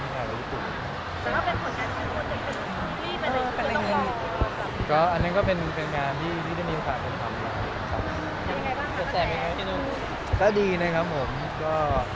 สรับบีเนี้ยครับผมก็